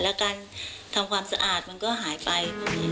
แล้วการทำความสะอาดมันก็หายไป